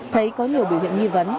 thấy có nhiều biểu hiện nghi vấn